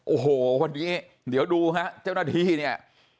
โอ้โหวันนี้เดี๋ยวดูฮะเจ้าหน้าที่เนี่ย